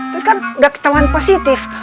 terus kan udah ketahuan positif